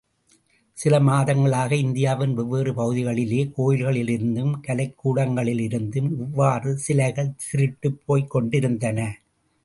சில மாதங்களாக இந்தியாவின் வெவ்வேறு பகுதிகளிலே கோயில்களிலிருந்தும் கலைக்கூடங்களிலிருந்தும் இவ்வாறு சிலைகள் திருட்டுப் போய்க்கொண்டிருந்தன.